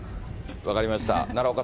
分かりました。